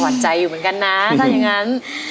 อดใจอยู่เหมือนกันนะถ้าอย่างนั้น